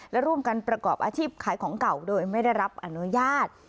และร่วมกันประกอบอาชีพขายของเก่าโดยไม่ได้รับอนุญาต